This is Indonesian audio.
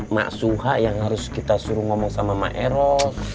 mas suha yang harus kita suruh ngomong sama maeros